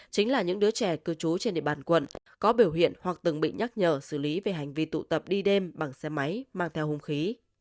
chính là những đứa trẻ cư trú trên địa bàn quận có biểu hiện hoặc từng bị nhắc nhở xử lý về hành vi tụ tập đi đêm bằng xe máy mang theo hung khí